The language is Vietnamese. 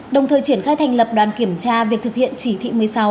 đồng thời triển khai thành lập đoàn kiểm tra việc thực hiện chỉ thị một mươi sáu